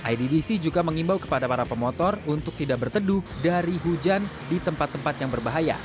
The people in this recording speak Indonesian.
iddc juga mengimbau kepada para pemotor untuk tidak berteduh dari hujan di tempat tempat yang berbahaya